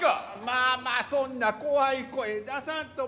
まあまあそんな怖い声出さんと。